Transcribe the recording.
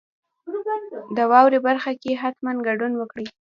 د واورئ برخه کې حتما ګډون وکړئ.